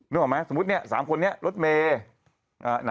นึกออกไหมสมมุติ๓คนนี้รถเมล์